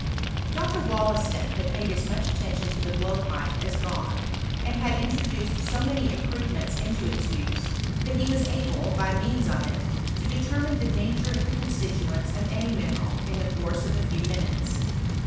Dr. Wollaston bad paid as much attention to tbe blowpipe as Gahn, and hod introduced so many im provements into its use, that he was able, by meavs of it, to determine the nature of the constituents of any mineral in the course of a. few minutes.